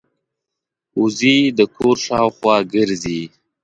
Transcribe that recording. وزې د کور شاوخوا ګرځي